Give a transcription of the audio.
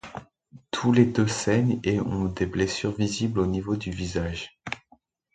Tous les deux saignent et ont des blessures visibles au niveau du visage.